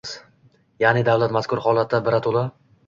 Ya’ni davlat mazkur holatda birato‘la: